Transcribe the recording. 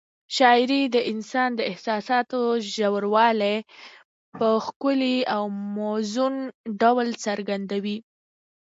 شاعري د انسان د احساساتو ژوروالی په ښکلي او موزون ډول څرګندوي.